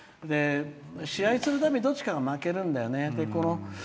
試合するたびにどっちかが負けるんだよね。